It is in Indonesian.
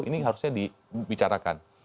ini harusnya dibicarakan